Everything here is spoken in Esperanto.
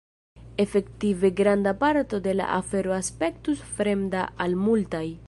Efektive granda parto de la afero aspektus fremda al multaj.